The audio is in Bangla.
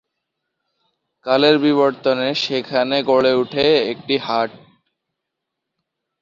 কালের বিবর্তনে সেখানে গড়ে উঠে একটি হাট।